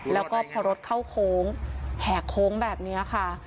แล้วก็พอรถเข้าโค้งแหกโค้งแบบนี้ค่ะ